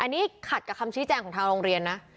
อันนี้ขัดกับคำชี้แจงของทางโรงเรียนนะ